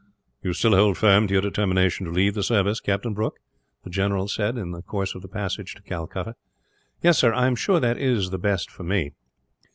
"You still hold firm to your determination to leave the service, Captain Brooke?" the general said, in the course of the passage to Calcutta. "Yes, sir. I am sure that it is best for me."